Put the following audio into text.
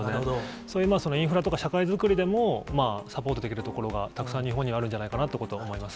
そういうインフラとか社会作りでも、サポートできるところはたくさん、日本にはあるんじゃないかなということは思います。